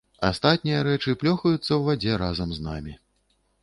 Астатнія рэчы плёхаюцца ў вадзе разам з намі.